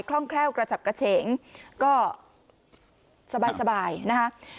คล่องแคล่วกระจับกระเฉงก็สบายนะครับ